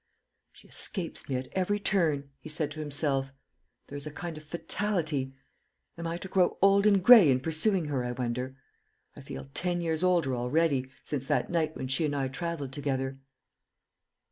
"She escapes me at every turn," he said to himself. "There is a kind of fatality. Am I to grow old and gray in pursuing her, I wonder? I feel ten years older already, since that night when she and I travelled together."